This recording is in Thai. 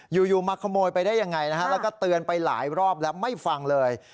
อยู่มาขโมยไปได้ยังไงนะฮะแล้วก็เตือนไปหลายรอบแล้วไม่ฟังเลย